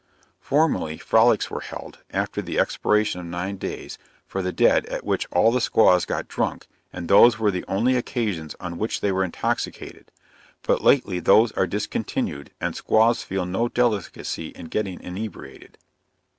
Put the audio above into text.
Formerly, frolics were held, after the expiration of nine days, for the dead, at which all the squaws got drunk, and those were the only occasions on which they were intoxicated: but lately those are discontinued, and squaws feel no delicacy in getting inebriated.